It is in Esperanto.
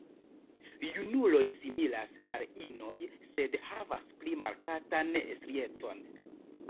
Junuloj similas al inoj, sed havas pli markatan striecon.